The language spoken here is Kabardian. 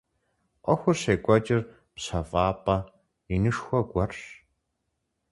Ӏуэхур щекӀуэкӀыр пщэфӀапӀэ инышхуэ гуэрщ.